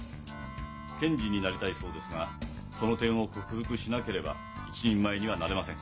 検事になりたいそうですがその点を克服しなければ一人前にはなれません。